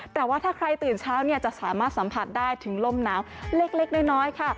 แต่ว่าถ้าใครตื่นเช้าเนี่ยจะสามารถสัมผัสได้ถึงลมหนาวเล็กน้อยค่ะ